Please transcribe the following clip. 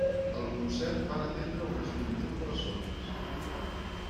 Al concert van atendre unes vint mil persones.